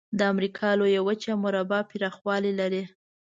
د امریکا لویه وچه مربع پرخوالي لري.